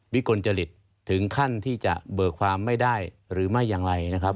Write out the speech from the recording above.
กลจริตถึงขั้นที่จะเบิกความไม่ได้หรือไม่อย่างไรนะครับ